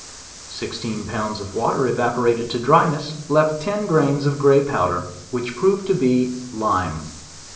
Sixteen pounds of water evaporated to dry ness, left ten grains of a grey powder, which proved to be lime.